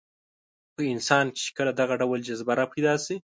په انسان کې چې کله دغه ډول جذبه راپیدا شي.